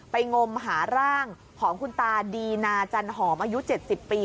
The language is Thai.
งมหาร่างของคุณตาดีนาจันหอมอายุ๗๐ปี